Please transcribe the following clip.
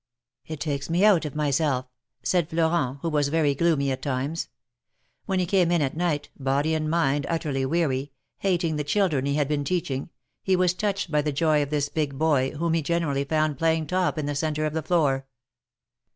^^It takes me out of myself/' said Florent, who was very gloomy at times. When he came in at night, body and mind utterly weary, hating the children he had been teaching, he was touched by the joy of this big boy, whom he generally found playing top in the centre of the floor.